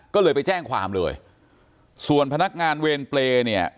ก็เลยไปแจ้งความเลยส่วนพนักงานเวรเปรย์เนี่ย